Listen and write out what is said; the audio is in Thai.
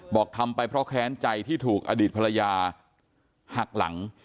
บอกทำไปเพราะแค้นใจที่ถูกอดีตภรรยาหักหลัง